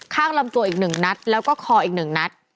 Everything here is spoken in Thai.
ข้างลำตัวอีก๑นัดแล้วก็คออีก๑นัด